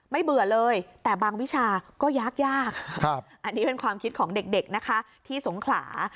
เบื่อเลยแต่บางวิชาก็ยากยากอันนี้เป็นความคิดของเด็กนะคะที่สงขลา